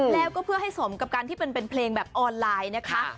แล้วก็เพื่อให้สมกับการที่เป็นเพลงแบบออนไลน์นะคะ